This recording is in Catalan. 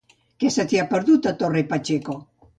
Què se t'hi ha perdut, a Torre Pacheco?